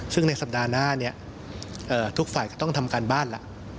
ซึ่งในสัปดาห์หน้านี้ทุกฝ่ายก็ต้องทำการบ้านล่ะ